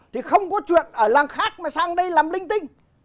thì không có chuyện ở làng khác mà sang đây làm linh tinh